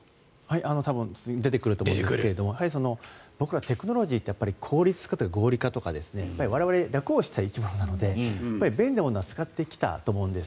多分出てくると思いますがやはり僕らテクノロジーって効率化というか合理化というかやっぱり我々、楽をしたい生き物なので便利なものは使ってきたと思うんです。